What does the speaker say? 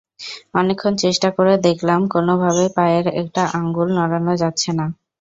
অনেকক্ষণ চেষ্টা করে দেখলাম, কোনোভাবেই পায়ের একটা আঙুলও নড়ানো যাচ্ছে না।